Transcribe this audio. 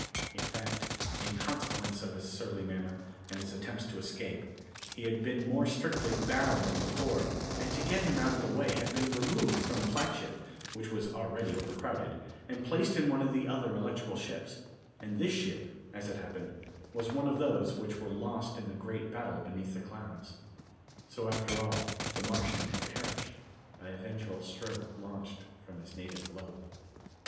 In fact, in consequence of his surly manner, and his attempts to escape, he had been more strictly bound than before and to get him out of the way had been removed from the flagship, which was already overcrowded, and placed in one of the other electric ships, and this ship as it happened was one of those which were lost in the great battle beneath the clouds. So after all, the Martian had perished, by a vengeful stroke launched from his native globe.